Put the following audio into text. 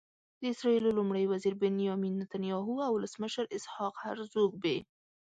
د اسرائیلو لومړي وزير بنیامین نتنیاهو او ولسمشر اسحاق هرزوګ به.